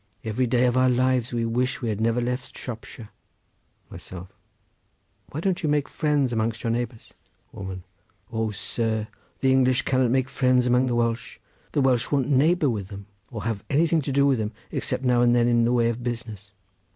Every day of our lives we wish we had never left Shropshire. Myself.—Why don't you make friends amongst your neighbours? Woman.—O, sir, the English cannot make friends amongst the Welsh. The Welsh won't neighbour with them, or have anything to do with them, except now and then in the way of business.